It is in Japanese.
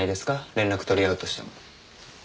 連絡取り合うとしても。